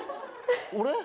俺？